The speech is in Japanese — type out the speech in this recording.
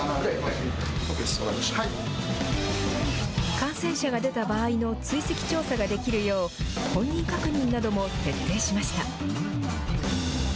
感染者が出た場合の追跡調査ができるよう、本人確認なども徹底しました。